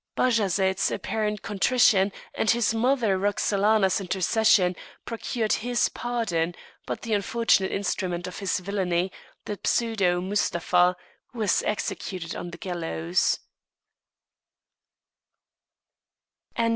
Bajazet's apparent contrition, and his mother Roxelana's intercession, procured his pardon; but the unfortunate instrument of his villainy, the pseudo Mustapha, was executed on the gallows.